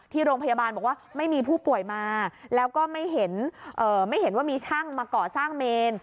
ที่โรงพยาบาลบอกว่าไม่มีผู้ป่วยมาแล้วก็ไม่เห็นว่ามีช่างมาก่อสร้างเมน